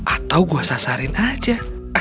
atau gue sasarin aja